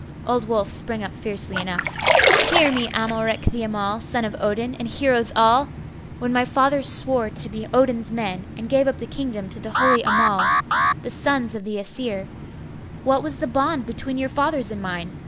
Old Wulf sprang up fiercely enough. 'Hear me, Amalric the Amal, son of Odin, and heroes all! When my fathers swore to be Odin's men, and gave up the kingdom to the holy Annals, the sons of the Aesir, what was the bond between your fathers and mine?